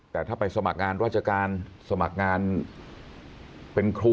แต่ถ้าไปสมัครงานราชการสมัครงานเป็นครู